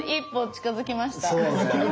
近づきました。